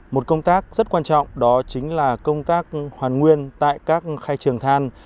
một công tác rất quan trọng đó chính là công tác hoàn nguyên tại các khai trường than